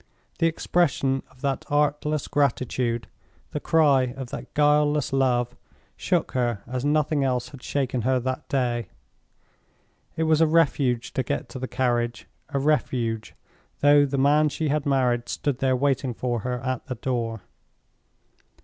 The expression of that artless gratitude, the cry of that guileless love, shook her as nothing else had shaken her that day. It was a refuge to get to the carriage—a refuge, though the man she had married stood there waiting for her at the door. Mrs.